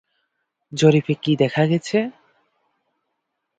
জরিপে কি দেখা গেছে?